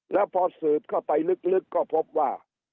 แล้วพอสืบเข้าไปลึกก็พบว่า